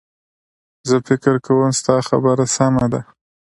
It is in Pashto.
زه فکر کوم ستا خبره سمه ده